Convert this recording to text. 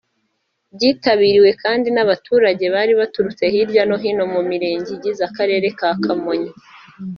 byitabiriwe kandi n’abaturage bari baturutse hirya no hino mu Mirenge igize Akarere ka Kamonyi